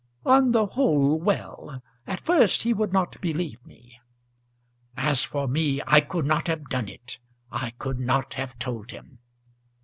"On the whole, well. At first he would not believe me." "As for me, I could not have done it. I could not have told him."